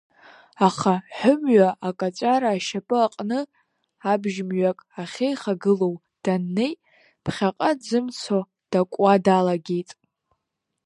Аха Ҳәымҩа акаҵәара ашьапы аҟны, абжьмҩак ахьеихагылоу даннеи, ԥхьаҟа дзымцо, дакуа далагеит.